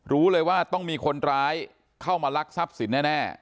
รู้เลยว่าต้องมีคนร้ายเข้ามาลักทรัพย์สินแน่